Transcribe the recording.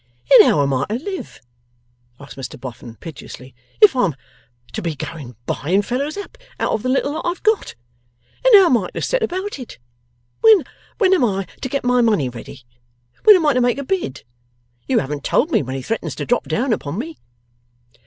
'And how am I to live,' asked Mr Boffin, piteously, 'if I'm to be going buying fellows up out of the little that I've got? And how am I to set about it? When am I to get my money ready? When am I to make a bid? You haven't told me when he threatens to drop down upon me.